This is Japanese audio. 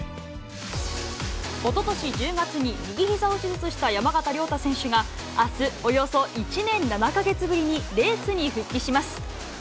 おととし１０月に右ひざを手術した山縣亮太選手が、あす、およそ１年７か月ぶりにレースに復帰します。